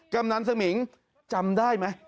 กำนันสมิงจำได้ไหม